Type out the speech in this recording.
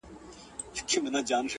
بيا دادی پخلا سوه ،چي ستا سومه_